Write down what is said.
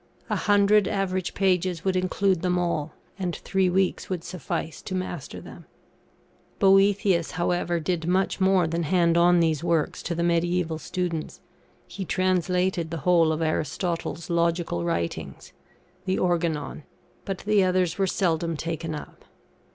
A hundred average pages would include them all; and three weeks would suffice to master them. Boëthius, however, did much more than hand on these works to the mediaeval students; he translated the whole of Aristotle's logical writings (the Organon), but the others were seldom taken up.